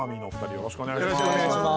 よろしくお願いします。